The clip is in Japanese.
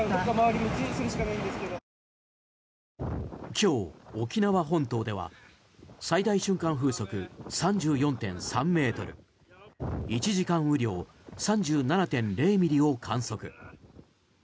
今日、沖縄本島では最大瞬間風速３４．３ｍ１時間雨量３７．０ミリを観測。